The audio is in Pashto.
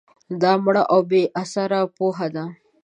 دا مړه او بې اثره پوهه ده